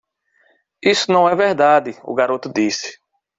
"Isso não é verdade,?" o garoto disse.